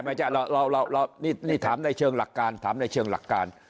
ไม่ใช่นี่ถามในเชิงหลักการ